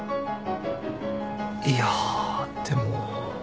いやでも。